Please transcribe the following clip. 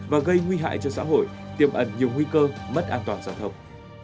và gây nguy hại cho xã hội tiêm ẩn nhiều nguy cơ mất an toàn giao thông